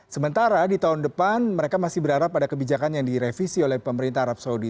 sementara di tahun depan mereka masih berharap ada kebijakan yang direvisi oleh pemerintah arab saudi